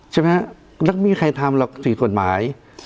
ใช่ไหมฮะแล้วก็ไม่มีใครทำหลักฐีกฎหมาย